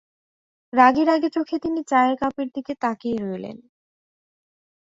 রাগী-রাগী চোখে তিনি চায়ের কাপের দিকে তাকিয়ে রইলেন।